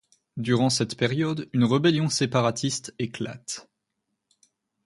Durant cette période, une rébellion séparatiste éclate.